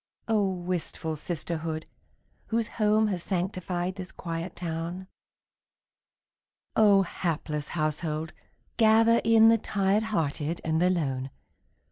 Oh, wistful sisterhood, whose home Has sanctified this quiet town! Oh, hapless household, gather in The tired hearted and the lone!